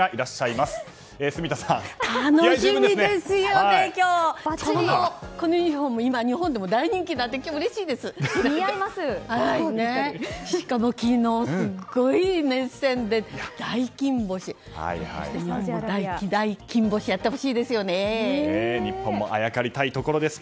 しかも昨日、すごい熱戦で大金星やってほしいです！